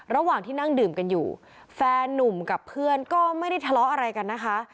ระหว่างที่นั่งดื่มกันอยู่แฟนนุ่มกับเพื่อนก็ไม่ได้ทะเลาะอะไรกันนะคะ